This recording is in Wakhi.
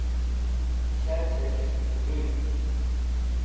Shachẽs̃h rũyd.